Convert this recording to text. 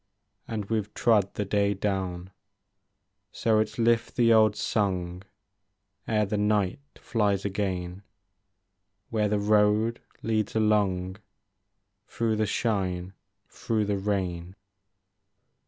And we 've trod the day down. So it 's lift the old song Ere the night flies again. Where the road leads along Through the shine, through the rain.